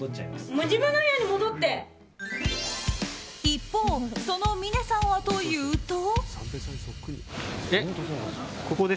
一方その峰さんはというと。